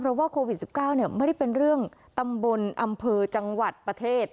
เพราะว่าโควิด๑๙ไม่ได้เป็นเรื่องตำบลอำเภอจังหวัดประเทศ